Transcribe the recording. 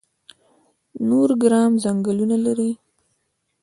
نورګرام ځنګلونه لري؟